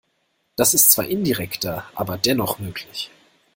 Das ist zwar indirekter, aber dennoch möglich.